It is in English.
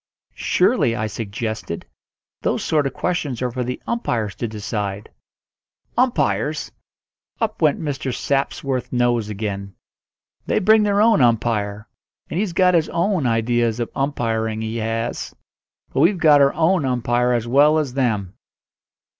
"Surely," I suggested, "those sort of questions are for the umpires to decide." "Umpires!" Up went Mr. Sapworth's nose again. "They bring their own umpire, and he's got his own ideas of umpiring, he has. But we've got our own umpire as well as them."